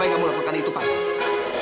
baik pria krijgen kehidupan councernya